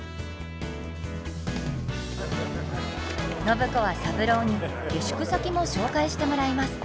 暢子は三郎に下宿先も紹介してもらいます。